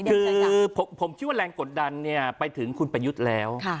คือผมคิดว่าแรงกดดันไปถึงคุณประยุทธ์แล้ว